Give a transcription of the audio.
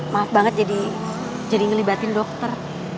maaf banget jadi ngelibatin dokter